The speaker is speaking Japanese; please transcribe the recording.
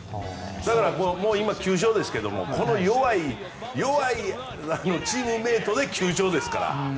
だから、今９勝ですけれどこの弱いチームメートで９勝ですから。